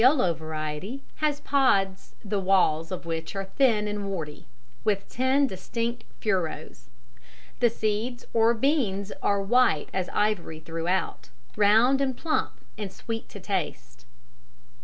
The cacao of the criollo variety has pods the walls of which are thin and warty, with ten distinct furrows. The seeds or beans are white as ivory throughout, round and plump, and sweet to taste.